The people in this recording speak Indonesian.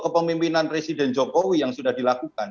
kepemimpinan presiden jokowi yang sudah dilakukan